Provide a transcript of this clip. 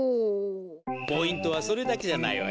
ポイントはそれだけじゃないわよ。